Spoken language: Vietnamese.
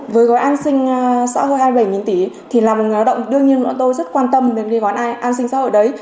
với gói an sinh sở hữu hai mươi bảy tỷ thì là một người lao động đương nhiên mọi người tôi rất quan tâm đến gói an sinh sở hữu đấy